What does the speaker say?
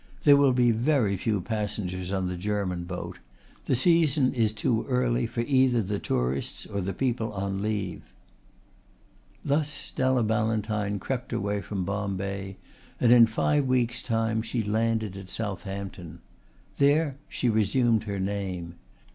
There will be very few passengers on the German boat. The season is too early for either the tourists or the people on leave." Thus Stella Ballantyne crept away from Bombay and in five weeks' time she landed at Southampton. There she resumed her name.